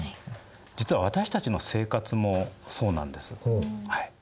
実は私たちの生活もそうなんです。